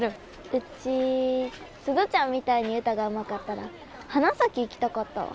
ウチ鈴ちゃんみたいに歌がうまかったら花咲行きたかったわ。